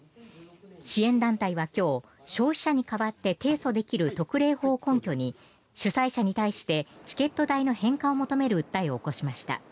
支援団体は今日消費者に代わって提訴できる特例法を根拠に主催者に対してチケット代の返還を求める訴えを起こしました。